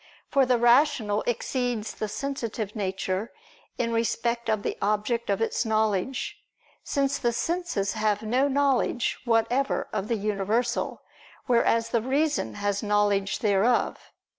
For the rational exceeds the sensitive nature in respect of the object of its knowledge: since the senses have no knowledge whatever of the universal, whereas the reason has knowledge thereof.